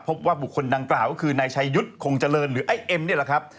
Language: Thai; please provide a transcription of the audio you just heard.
พบว่าบุคคลดังกล่าวก็คือนายชัยยุทธ์คงเจริญหรือไอ้เอ็มนี่แหละครับ